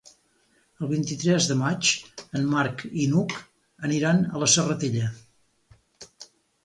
El vint-i-tres de maig en Marc i n'Hug aniran a la Serratella.